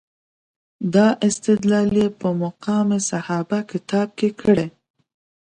دا استدلال یې په مقام صحابه کتاب کې کړی.